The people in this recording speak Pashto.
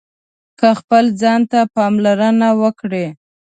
که خپل ځان ته پاملرنه وکړئ